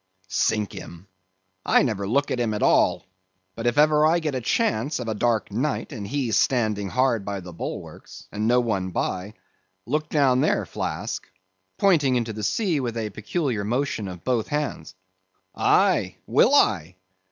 "Sink him! I never look at him at all; but if ever I get a chance of a dark night, and he standing hard by the bulwarks, and no one by; look down there, Flask"—pointing into the sea with a peculiar motion of both hands—"Aye, will I!